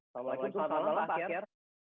selamat malam pak akir